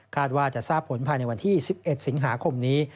ว่าจะทราบผลภายในวันที่๑๑สิงหาคมนี้